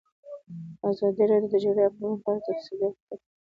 ازادي راډیو د د جګړې راپورونه په اړه تفصیلي راپور چمتو کړی.